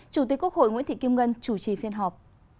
chủ tịch quốc hội nguyễn thị kim ngân chủ trì phiên họp